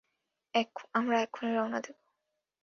আমরা এক্ষুনি রওনা দেব!